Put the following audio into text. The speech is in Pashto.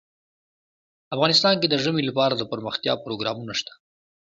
افغانستان کې د ژمی لپاره دپرمختیا پروګرامونه شته.